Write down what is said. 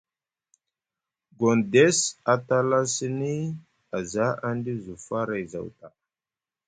Gondes a tala sini aza aŋ ɗif zi faray zaw ta.